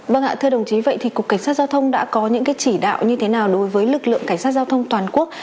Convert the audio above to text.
vâng ạ thưa đồng chí vậy thì cục cảnh sát giao thông đã có những chỉ đạo như thế nào đối với lực lượng cảnh sát giao thông toàn quốc